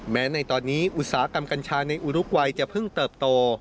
ในตอนนี้อุตสาหกรรมกัญชาในอุรุกวัยจะเพิ่งเติบโต